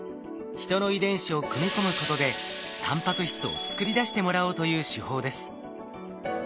人の遺伝子を組み込むことでタンパク質を作り出してもらおうという手法です。